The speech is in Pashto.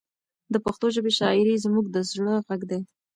د پښتو ژبې شاعري زموږ د زړه غږ دی.